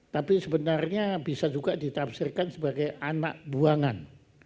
tapi sebenarnya bisa juga ditafsirkan sebagai anak buangan